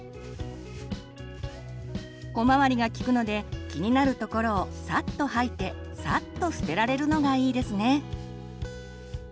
小回りが利くので気になる所をさっと掃いてさっと捨てられるのがいいですね。